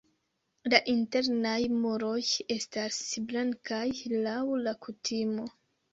La internaj muroj estas blankaj laŭ la kutimo.